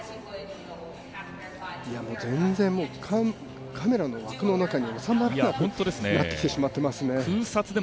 全然、カメラの枠の中に収まらなくなってきてますね。